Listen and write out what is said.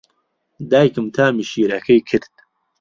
دایکم تامی شیرەکەی کرد.